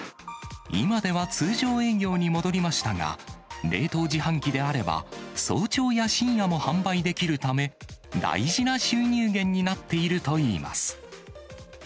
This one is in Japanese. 今では通常営業に戻りましたが、冷凍自販機であれば早朝や深夜も販売できるため、大事な収入源になっているといいます。